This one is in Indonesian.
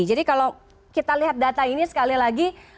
jadi kalau kita lihat data ini sekali lagi